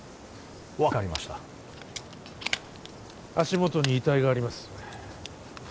分かりました足元に遺体があります